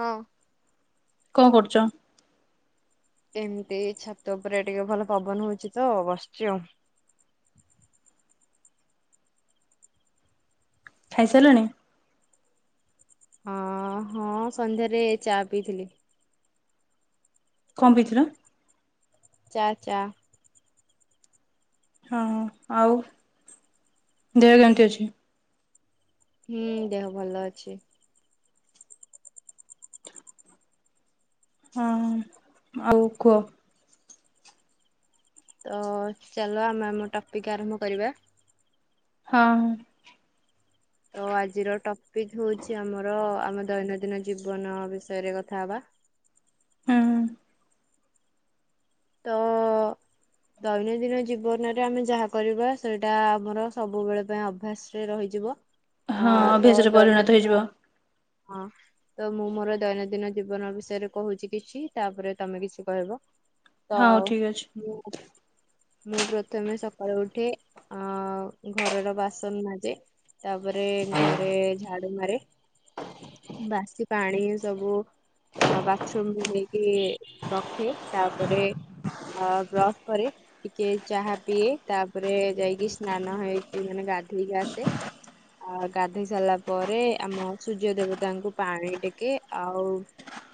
ହଁ। କଣ କରୁଛ? ଏମିତି ଛାତ ଉପରେ ଟିକେ ଭଲ ପବନ ହଉଛି ତ ବସିଛି ଆଉ। ଖାଇସାରିଲେଣି? ହଁ ହଁ ସନ୍ଧ୍ୟାରେ ଚା ପିଇଥିଲି। କଣ ପିଇଥିଲ? ଚା ଚା। ହଁ ଆଉ ଦେହ କେମିତି ଅଛି? ହୁଁ ଦେହ ଭଲ ଅଛି। ହଁ ଆଉ କୁହ। ତ ଚାଲ ଆମେ ଆମ ଟପିକ ଆରମ୍ଭ କରିବା? ହଁ। ତ ଆଜିର ଟପିକ ହଉଛି ଆମର ଆମ ଦୈନନ୍ଦିନ ଜୀବନ ବିଷୟରେ କଥା ହବା। ହୁଁ ତ ଦୈନନ୍ଦିନ ଜୀବନରେ ଆମେ ଯାହା କରିବା ସେଇଟା ଆମର ସବୁବେଳେ ପାଇଁ ଅଭ୍ୟାସ। ରହିଯିବ ଆ ହଁ ତ ଅଭ୍ୟାସରେ ପରିଣତ ହେଇଯିବ। ଦୈନନ୍ଦିନ ହଁ ତ ମୁଁ ମୋର ଦୈନନ୍ଦିନ ଜୀବନ ବିଷୟରେ କହୁଛି କିଛି ତାପରେ ତମେ କିଛି କହିବ। ତ ହଉ ଠିକ୍ ଅଛି। ମୁଁ ମୁଁ ପ୍ରଥମେ ସକାଳୁ ଉଠି ଅ ଘରର ବାସନ ମାଜେ ତାପରେ ଘରେ ଝାଡୁ ମାରେ ବାସି ପାଣି ସବୁ ଅ ବାଥରୁମରେ ନେଇକି ରଖେ ତାପରେ ଆ ବ୍ରସ୍ କରେ। ଟିକେ ଚାହା ପିଏ ତାପରେ ଯାଇକି ସ୍ନାନ ହେଇକି ମାନେ ଗାଧେଇକି ଆସେ। ଆ ଗାଧୋଇ ସାରିଲା ପରେ ଆମ ସୂର୍ଯ୍ୟ ଦେବତାଙ୍କୁ ପାଣି ଟେକେ ଆଉ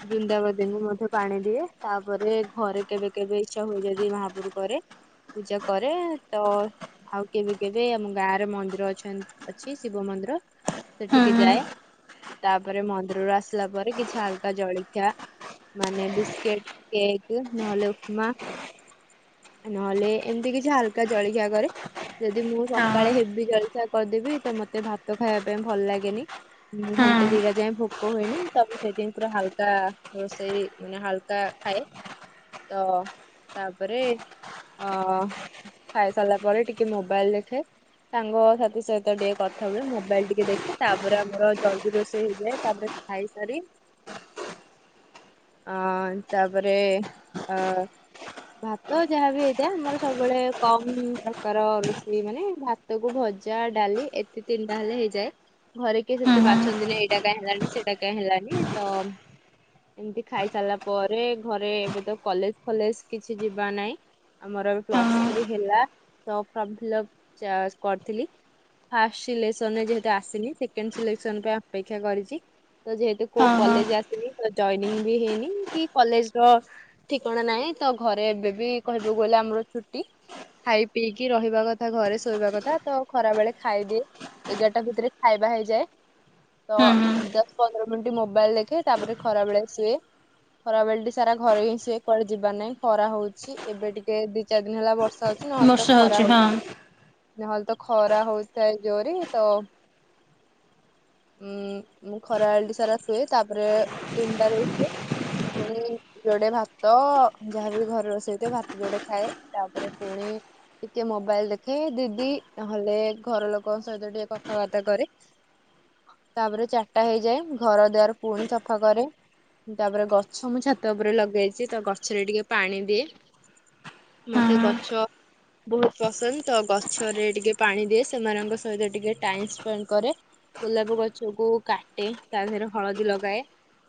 ବୃନ୍ଦାବତୀଙ୍କୁ ମଧ୍ୟ ପାଣି ଦିଏ ତାପରେ ଘରେ କେବେ କେବେ ଇଚ୍ଛା ହୁଏ ଯଦି ମହାପୁରୁ କରେ। ପୂଜା କରେ ତ ଆଉ କେବେ କେବେ ଆମ ଗାଁରେ ମନ୍ଦିର ଅ ଅଛି ଶିବ ମନ୍ଦିର ହୁଁ ସେଠିକେ ହୁଁ ଯାଏ। ତାପରେ ମନ୍ଦିରରୁ ଆସିଲା ପରେ କିଛି ହାଲକା ଜଳଖିଆ ମାନେ ବିସ୍କିଟ, କେକ୍ ନହେଲେ ଉପମା। ନହେଲେ ଏମିତି କିଛି ହାଲକା ଜଳଖିଆ କରେ। ଯଦି ମୁଁ ହଁ ସକାଳେ ହେବି ଜଳସଆ କରିଦେବି ତ ମତେ ଭାତ ଖାଇବା ପାଇଁ ଭଲ ଲାଗେନି। ହୁଁ ଘଣ୍ଟେ ଦିଟା ଯାଏ ଭୋକ ହୁଏନି ତ ମୁଁ ସେଇଥିାଇଁ ପୁରା ହାଲକା ରୋଷେଇ ହାଲକା ଖାଏ ତ ତାପରେ ଅ ଖାଇ ସାରିଲା ପରେ ଟିକେ ମୋବାଇଲ ଦେଖେ। ସାଙ୍ଗ ସାଥି ସହିତ ଟିକେ କଥା ହୁଏ ମୋବାଇଲ ଟିକେ ଦେଖି ତାପରେ ଆମର ଜଲ୍ଦି ରୋଷେଇ ହେଇଯାଏ ତାପରେ ଖାଇସାରି ଅ ତାପରେ ଅ ଭାତ ଯାହାବି ହେଇଥାଏ ଆମର ସବୁବେଳେ କମ ପ୍ରକାର ରୋଷେଇ ମାନେ ଭାତ ଭାତକୁ ଭଜା, ଡାଲି ଏତିେ ତିନିଟା ହେଲେ ହେଇଯାଏ ଘରେ କିଏ ହୁଁ ଏତେ ହୁଁ ବାଛନ୍ତି ନା ଏଇଟା କାଇଁ ହେଲାନି ସେଇଟା କାଇଁ ହେଲାନଣି ତ ଏମତି ଖାଇ ସାରିଲା ପରେ ଘରେ ଏବେ ତ କଲେଜ ଫଲେଜ କିଛି ଯିବା ନାଇଁ। ଆମର ଏବେ ହଁ ପ୍ଲସ ଥ୍ରୀ ହେଲା ତ ଫର୍ମ ଫିଲ୍ପ କରିଥିଲି। ଫାଷ୍ଟ ସିଲେସନ ରେ ଯେହେତୁ ଆସିନି ସେକେଣ୍ଡ ସିଲେସନ ଅପେକ୍ଷା କରିଛି ତ ଯେହେତୁ କୋଉ ହଁ କଲେଜ ହଁ ଜଇନିଂ ବି ହେଇନି କି କଲେଜ ର ଠିକଣା ନାହିଁ ତ ଘରେ ଏବେ ବି କହିବାକୁ ଗଲେ ଆମର ଛୁଟି। ଖାଇ ପିଇକି ରହିବା କଥା ଘରେ ଶୋଇବା କଥା ତ ଖରା ବେଳେ ଖାଇଦିଏ। ଏଗାରଟା ଭିତରେ ଖାଇବା ହେଇଯାଏ। ତ ହୁଁ ହୁଁ ଦଶ ପନ୍ଦର ମିନିଟ ମୋବାଇଲ ଦେଖେ ତାପରେ ଖରା ବେଳେ ଶୁଏ। ଖାରବଳଟା ସାରା ଘରେ ହିଁ ସୁଏ କୁଆଡ଼େ ଯିବାରେ ନାହିଁ। ଖରା ହଉଛି ଏବେ ଟିକେ ଦି ଚାରି ଦିନ ହେଲା ବର୍ଷା ହଉଛି। ନହେଲେ ତ ବର୍ଷା ହଉଛି ଖରା ହଉ ହଁ ନହେଲେ ତ ଖରା ହଉଥାଏ ଜୋରେ ତ ଉଁ ମୁଁ ଖରାଳଟି ସାରା ଶୁଏ ତାପରେ ତିନିଟାରେ ଉଠେ ପୁଣି ଯୋଡେ ଭାତ ଯାହାବି ଘରେ ରୋଷେଇଥିବ ଭାତ ଯୋଡେ ଖାଏ ତାପରେ ପୁଣି ଟିକେ ମୋବାଇଲ ଦେଖେ ଦିଦି ନହଲେ ଘର ଲୋକଙ୍କ ସହିତ ଟିକେ କଥାବାର୍ତ୍ତା କରେ। ତାପରେ ଚାରିଟା ହେଇଯାଏ ଘର ଦୁଆର ପୁଣି ସଫା କରେ। ତାପରେ ଗଛ ମୁଁ ଛାତ ଉପରେ ଲଗେଇଚି ତ ଗଛରେ ଟିକେ ପାଣି ଦିଏ। ହୁଁ ମତେ ହୁଁ ଗଛ ବହୁତ୍ ପସନ୍ଦ ତ ଗଛରେ ଟିକେ ପାଣି ଦିଏ ସେମାନଙ୍କ ସହିତ ଟିକେ ଟାଇମ୍ ସ୍ପେଣ୍ଡ୍ କରେ। ଗୋଲାପ ଗଛକୁ କାଟେ ତା ଦେହରେ ହଳଦୀ ଲଗାଏ।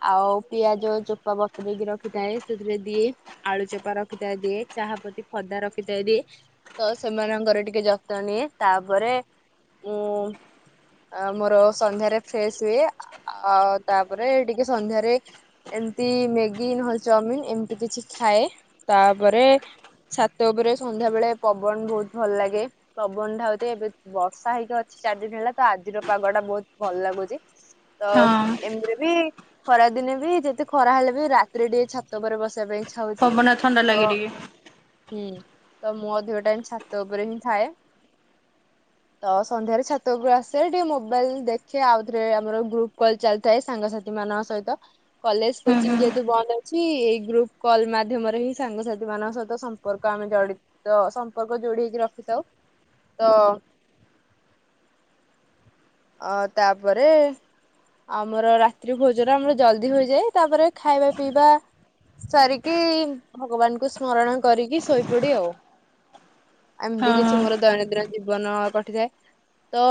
ଆଉ ପିଆଜ ଚୋପା ବତୁରେଇକି ରଖିଥାଏ ସେଥିରେ ଦିଏ। ଆଳୁ ଚୋପା ରଖିଥା ଦିଏ। ଚାହା ପ୍ରତି ଖଦା ରଖିଥା ଦିଏ। ତ ସେମାନଙ୍କର ଟିକେ ଯତ୍ନ ନିଏ ତାପରେ ମୁଁ ହଁ ଆ ମୋର ସନ୍ଧ୍ୟାରେ ଫ୍ରେସ୍ ହୁଏ ଆଉ ତାପରେ ଟିକେ ସନ୍ଧ୍ୟାରେ ଏମତି ମେଗି ନହେଲେ ଚାଉମିନ୍ ଏମିତି କିଛି ଖାଏ ତାପରେ ଛାତ ଉପରେ ସନ୍ଧ୍ୟା ବେଳେ ପବନ ବହୁତ୍ ଭଲ ଲାଗେ। ପବନ [unintelligible] ଏବେ ବର୍ଷା ହେଇକି ଅଛି ଚାରିଦିନ୍ ହେଲା। ତ ଆଜିର ପାଗ ଟା ବହୁତ୍ ଭଲ ଲାଗୁଚି ତ ହଁ ଏମିତିରେ ବି ଖରା ଦିନେ ବି ଯେତେ ଖରା ହେଲେ ବି ରାତିରେ ଟିକେ ଛାତ ଉପରେ ବସିବା ପାଇଁ। ଇଛା ହଉଚି ପବନ ଥଣ୍ଡା ତ ଲାଗେ ଟିକେ ହୁଁ ତ ମୋ ଦୋହଟା ବି ଛାତ ଉପରେ ହିଁ ଥାଏ। ତ ସନ୍ଧ୍ୟାରେ ଛାତ ଉପରକୁ ଆସ୍ ସେ ଟିକେ ମୋବାଇଲ ଦେଖେ ଆଉ ଥରେ ଆମର ଗ୍ରୁପ୍ କଲ୍ ଚାଲିଥାଏ ସାଙ୍ଗସାଥି ମାନଙ୍କ ସହିତ। କଲେଜ ହୁଁ କୋଚିଂ ହୁଁ ହଁ ଯେହେତୁ ବନ୍ଦ ଅଛି ଏଇ ଗ୍ରୁପ୍ କଲ୍ ମାଧ୍ୟମରେ ହିଁ ସାଙ୍ଗସାଥି ମାନଙ୍କ ସହିତ ସ ସମ୍ପର୍କ ଆମେ ଜଡିତ ସମ୍ପର୍କ ଯୋଡି ହେଇକି ରଖିଥାଉ ତ ଅ ତାପରେ ଆମର ରାତ୍ରି ଭୋଜନ ଆମର ଜଲଦି ହୋଇଯାଏ ତାପରେ ଖାଇବା ପିଇବା ସାରିକି ଭଗବାନଙ୍କୁ ସ୍ମରଣ କରିକି ଶୋଇପଡ଼ି ଆଉ। ଏମତି କିଛି ହଁ ମୋର ଦୈନନ୍ଦିନ ଜୀବନ କଟିଥାଏ ତ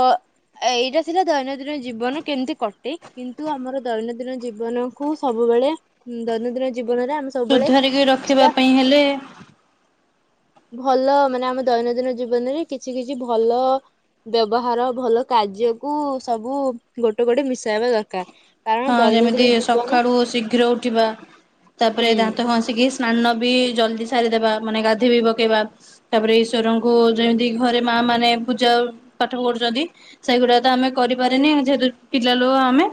ଏଇଟା ସିନା ଦୈନନ୍ଦିନ ଜୀବନ କେମିତି କଟେ କିନ୍ତୁ ଆମର ଦୈନନ୍ଦିନ ଜୀବନ କୁ ସବୁବେଳେ ହୁଁ ଦୈନନ୍ଦିନ ଜୀବନରେ ଆମସ୍ ସୁଧାରିକି ରଖିବା ପାଇଁ ହେଲେ ଭଲ ମାନେ ଆମ ଦୈନନ୍ଦିନ ଜୀବନରେ କିଛି କିଛି ଭଲ ବ୍ୟବହାର ଭଲ। କାର୍ଯ୍ୟକୁୁ ସବୁ ଗୋଟେ ଗୋଟେ ମିଶାଇବା ଦରକାର। କାରଣ ହଁ ଯେମିତି ଦୈନନ୍ଦିନ ଜୀବନ ସକାଳୁ ଶୀଘ୍ର ଉଠିବା ତାପରେ ହୁଁ ଦାନ୍ତ ଘସ ଏତିକିସ୍ ସ୍ନାନ ବି ଜଲଦି ସାରିଦବା ମାନେ ଗାଧୋଇ ବି ପକେଇବା ତାପରେ ଈଶ୍ୱରଙ୍କୁ ହୁଁ ଯେମିତି ଘରେ ମା ମାନେ ପୂଜା ପାଠ ପଢୁଚନ୍ତି। ସେଇଗୁଡା ତ ଆମେ କରିପାରିନି ଯେହେତୁ ପିଲା ଲୋକ ଆମେ।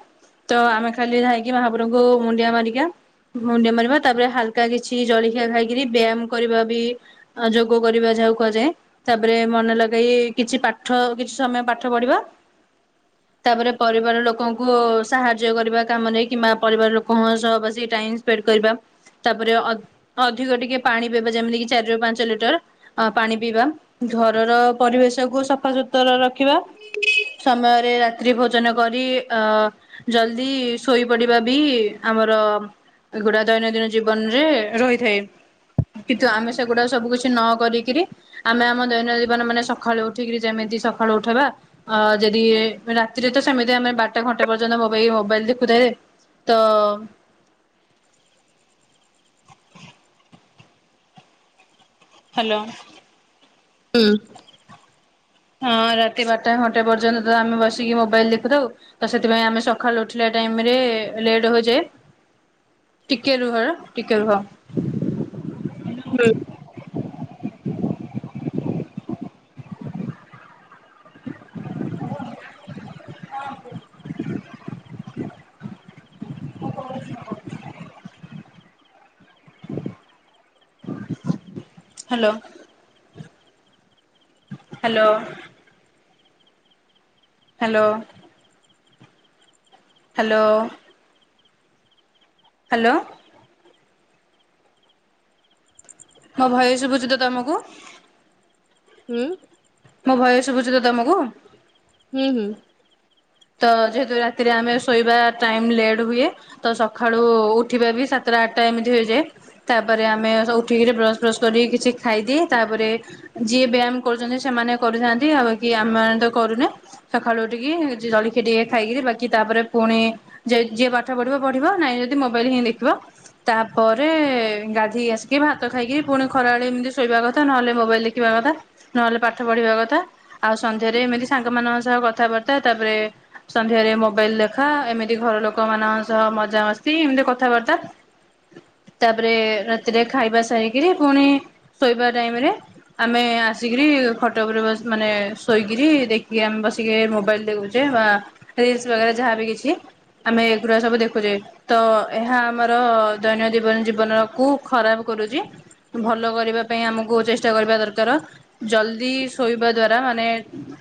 ତ ଆମେ ଖାଲି ଯାଇକି ମହା ପ୍ରଭୁଙ୍କୁ ମୁଣ୍ଡିଆ ମାରିକା। ମୁଣ୍ଡିଆ ମାରିବା ତାପରେ ହାଲକା କିଛି ଜଳଖିଆ ଖାଇକିରି ବ୍ୟାୟାମ୍ କରିବା ବି ଅ ଯୋଗ କରିବା ଯାହାକୁ କୁହାଯାଏ। ତାପରେ ମନେ ଲଗେଇ କିଛି ପାଠ କିଛି ସମୟ ପାଠ ପଢିବା। ତାପରେ ପରିବାର ଲୋକଙ୍କୁ ସାହା ଜୟ କରିବା କାମରେ କିମ୍ବା ପରିବାର ଲୋକଙ୍କ ସହ ବସି ଟାଇ ସ୍ପେଣ୍ଡ କରିବା ତାପରେ ଅ ଅଧିକ ଟିକେ ପାଣି ପିଇବେ ଯେମିତି କି ଚାରି ରୁ ପାଞ୍ଚ ଲିଟର୍। ଅ ପାଣି ପିଇବା ଘରର ପରିବେଶ କୁ ସଫାସତୁରା ରଖ ରଖିବା ସମୟରେ ରାତ୍ରି ଭୋଜନ କରି ଅ ଜଲ୍ଦି ଶୋଇପଡିବା ବି ଆମର ଏଗୁଡା ଦୈନନ୍ଦିନ ଜୀବନରେ ରହିଥାଏ କିନ୍ତୁ ଆମେ ସେଗୁଡା ସବୁ କିଛି କିଛି ନ କରିକିରି ଆମେ ଆମ ଦୈନ ଜୀବନ ମାନେ ସକାଳୁ ଉଠିକିରି ଯେମିତି ସକାଳୁ ଉଠବା ଅ ଯଦି ରାତିରେ ତ ସେମିତି ଆମେ ବାରଟା ଘଣ୍ଟେ ପର୍ଯ୍ୟନ୍ତ ମୋ ଭାଇ ମୋବାଇଲ ଦେଖୁ ଥାଏ ତ ହ୍ୟାଲୋ। ହଁ। ହଁ ରାତି ବାରଟା ଘଣ୍ଟା ପର୍ଯ୍ୟନ୍ତ ତ ଆମେ ବସିକି ମୋବାଇଲ ଦେଖୁଥାଉ। ତ ସେଥିପାଇଁ ଆମେ ସକାଳୁ ଉଠିଲା ଟାଇମରେ ଲେଟ ହୋଇଯାଏ। ଟିକେ ରୁହ ଟିକେ ରୁହ। ହଁ। Hello hello. Hello. Hello. Hello. ମୋ ଭୟସ ସୁବୁଛି ତ ତମକୁ? ହୁଁ। ମୋ ଭୟସୁ ଶୁଭୁଛି ତ ତମକୁ? ହୁଁ ହୁଁ। ତ ଯେହେତୁ ରାତିରେ ଆମେ ଶୋଇବା ଟାଇମ୍ ଲେଟ ହୁଏ। ତ ସକାଳୁ ଉଠିବା ବି ସାତଟା ଆଠଟା ଏମିତି ହେଇଯାଏ। ତାପରେ ଆମେ ସ ଉଠିକି ବ୍ରସ୍ ଫ୍ରସ୍ କରିକ କିଛି ଖାଇଦିଏ ତାପରେ ଯିଏ ବ୍ୟାୟାମ କରୁଛନ୍ତି ସେମାନେ କରିୁଥାନ୍ତି ଆଉ ବାକି ଆମେମାନେ ତ କରୁନେ ସକାଳୁ ଉଠିକି ଯିଏ ଜଳଖିଆ ଟିକେ ଖାଇକିରି ବାକି ତାପରେ ପୁଣି ଯ ଯିଏ ପାଠ ପଢିବ ପଢିବ ନାଇଁ ଯଦି ମୋବାଇଲ ହିଁ ଦେଖିବ। ତାପରେ ଗାଧେଇକି ଆସିକି ଭାତ ଖାଇକି ପୁଣି ଖରାବେଳେ ଏମିତି ଶୋଇବା କଥା ନହେଲେ ମୋବାଇଲ ଦେଖ୍ ଖିବା କଥା ନହେଲେ ପାଠ ପଢିବା କଥା ଆଉ ସନ୍ଧ୍ୟା ରେ ଏମିତି ସାଙ୍ଗମାନଙ୍କ ସହ କଥାବାର୍ତ୍ତା ତାପରେ ସନ୍ଧ୍ୟାରେ ମୋବାଇଲ ଦେଖା ଏମିତି ଘର ଲୋକମାନଙ୍କ ସହ ମଜାମସ୍ତି ଏମିତି କଥାବାର୍ତ୍ତା ତାପରେ ରାତିରେ ଖାଇବା ସାରିକିରି ପୁଣି ଶୋଇବା ଟାଇମରେ ଆମେ ଆସିକିରି ଖଟ ଉପରେ ବସ୍ ମାନେ ଶୋଇକରି ଦେଖିକି ଆମେ ବସିକି ମୋବାଇଲ୍ ଦେଖୁଛେ ବା ରିଲ୍ସ୍ ବଗେରା ଯାହାବି କିଛି ଆମେ ଏଗୁୁରା ସବୁ ଦେଖୁଛେ। ତ ଏହା ଆମର ଦୈନ ଦିବନ ଜୀବନ କୁ ଖରାପ କରୁଛି। ଭଲ କରିବା ପାଇଁ ଆମକୁ ଚେଷ୍ଟା କରିବା ଦରକାର। ଜଲଦି ଶୋଇବା ଦ୍ଵାରା ମାନେ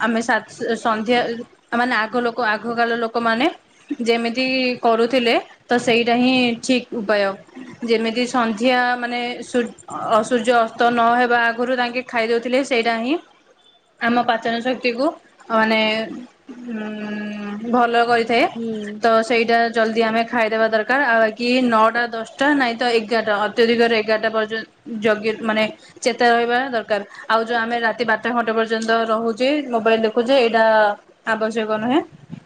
ଆମେ ସାତ୍ ସନ୍ଧ୍ୟା ଏଇ ମାନେ ଆଗ ଲୋକ ଆଗକାଳ ଲୋକମାନେ ଯେମିତି କରୁଥିଲେ ତ ସେଇଟା ହିଁ ଠିକ ଉପାୟ। ଯେମିତି ସନ୍ଧ୍ୟା ମାନେ ସୁର୍ ଅସୂର୍ଯ୍ୟ ଅସ୍ତ ନହବା ଆଗରୁ ତାଙ୍କେ ଖାଇଦଉଥିଲେ ସେଇଟା ହିଁ। ଆମ ପାଚନ ଶକ୍ତି କୁ ମାନେ ଉଁ ଭଲ କରିଥାଏ। ହୁଁ। ତ ସେଇଟା ଜଲ୍ଦି ଆମେ ଖାଇଦେବା ଦରକାର ଆଉ ବା କିି ନଅଟା ଦଶଟା ନାଇଁ ତ ଏଗାରଟା ଅ ତ୍ୟ ଦିଘରେ ଏଗାରଟା ପର୍ଯ୍ୟନ୍ତ ଜଗି ମାନେ ଚେତା ରହିବା ଦରକାର। ଆଉ ଯୋଉ ଆମେ ରାତି ବାରଟା ଖଣ୍ଡେ ପର୍ଯ୍ୟନ୍ତ ରହୁଛେ ମୋବାଇଲ ଦେଖୁଛେ ଏଇଟା ଆବଶ୍ୟକ ନୁହେଁ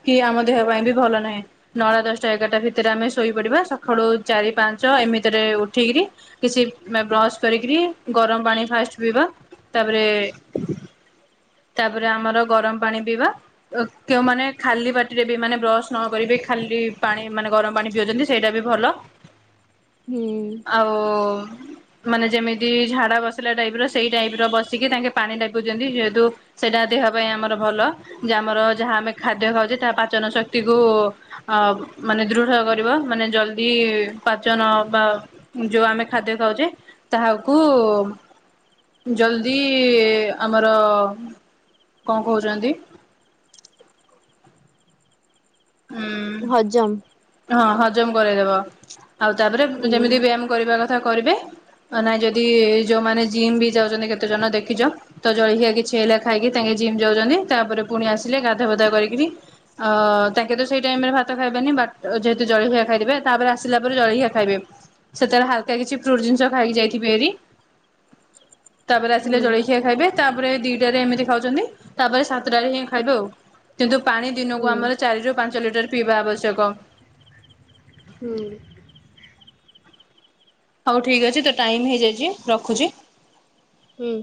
କି ଆମ ଦେହ ପାଇଁ ବି ଭଲ ନାହିଁ। ନଅଟା ଦଶଟା ଏଗାରଟା ଭିତରେ ଆମେ ଶୋଇପଡିବା ସଖାଳୁ ଚାରି ପାଞ୍ଚ ଏମିତିରେ ଉଠିକିରି କିଛି ମାନ୍ ବ୍ରସ୍ କରିକିରି ଗରମ ପାଣି ଫାଷ୍ଟ ପିଇବା। ତାପରେ ତାପରେ ଆମର ଗରମ ପାଣି ପିଇବା। ଓକେଉଁମାନେ ଖାଲି ପାଟିରେ ବି ମାନେ ବ୍ରଶ ନ କରିବି ଖାଲି ପାଣି ମାନେ ଗରମ ପାଣି ପିଉଛନ୍ତି। ସେଇଟା ବି ଭଲ। ହୁଁ। ଆଉ ମାନେ ଯେମିତି ଝାଡା ବସିଲା ଟାଇପ ର ସେଇ ଟାଇପ ର ବସିକି ତାଙ୍କେ ପାଣି ଟେକୁଚନ୍ତି ଯେହେତୁ ସେଇଟା ଦେହ ପାଇଁ ଆମର ଭଲ ଯେ ଆମର ଯାହା ଆମେ ଖାଦ୍ୟ ଖାଉଚେ ତାହା ପାଚନ ଶକ୍ତି କୁ ଅ ମାନେ ଦୃଢ କରିବ ମାନେ ଜଲଦି ପାଚନ ବା ଯୋଉ ଆମେ ଖାଦ୍ୟ ଖାଉଚେ ତାହାକୁ ଉ ଜଲଦି ଆମର କଣ କହୁଛନ୍ତି ହୁଁ ହଜମ -ହଁ ହଜମ କରେଇଦବ ଆଉ ତାପରେ ହୁଁ ଯେମିତି ବି ଆମ କରିବା କଥା କରିବେ ନାଇଁ ଯଦି ଯୋଉମାନେ ଜିମ୍ ବି ଯାଉଛନ୍ତି କେତେ ଜଣ ଦେଖିଚ ତ ଜଳଖିଆ କିଛି ହେଲେ ଖାଇକି ତାଙ୍କେ ଜିମ୍ ଯାଉଜନ୍ତି ତାପରେ ପୁଣି ଆସିଲେ ଗାଧୁଆ ପାଧୁଆ କରିକିରି ଅ ତାଙ୍କେ ତ ସେଇ ଟାଇମ ରେ ଭାତ ଖାଇବେନି ବାର ଯେହତୁ ଜଳଖିଆ ଖାଇବେ ତାପରେ ଆସିଲା ପରେ ଜଳଖିଆ ଖାଇବେ ତା ସେଥିରେ ହାଲକା କିଛି ଫ୍ରୁଟ୍ ଜିନିଷ ଖାଇକି ଯାଇଥିବେ ହାରି ତାପରେ ଆସିଲେ ହୁଁ ଜଳଖିଆ ଖାଇବେ ତାପରେ ଦିଟାରେ ଏମିତି ଖାଉଛନ୍ତି। ତାପରେ ସାତଟାରେ ହିଁ ଖାଇବେ ଆଉ କିନ୍ତୁ ପାଣି ଦିନକୁ ହୁଁ ଆମର ଚାରି ରୁ ପାଞ୍ଚ ଲିଟର ପିଇବା ଆବଶ୍ୟକ। ହୁଁ। ହଉ ଠିକ୍ ଅଛି ତ ଟାଇମ ହେଇଯାଇଚି ରଖୁଚି। ହୁଁ।